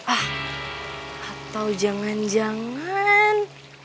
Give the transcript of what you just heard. ah atau jangan jangan